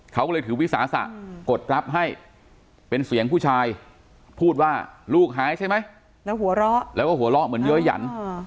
เขาเลยถือวิศาสะกดรับให้เป็นเสียงผู้ชายพูดว่าลูกหายใช่ไหมแล้วหัวล่อเหมือนเย้ยหยั่น